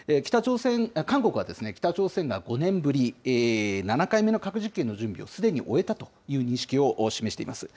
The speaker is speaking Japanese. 韓国は北朝鮮が５年ぶり７回目の核実験の準備をすでに終えたという認識を示しています。